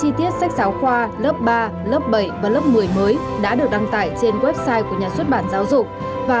hiện bảng giá chi tiết sách giáo khoa lớp ba lớp bảy và lớp một mươi mới đã được đăng tải trên website của nhà xuất bản giáo dục